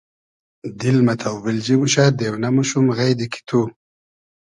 دیل مۂ تۆبیلجی موشۂ دېونۂ موشوم غݷدی کی تو